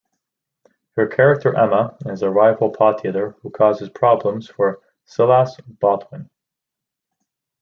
Her character Emma is a rival pot dealer who causes problems for Silas Botwin.